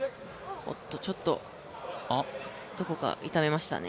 おっと、ちょっと、どこか痛めましたね。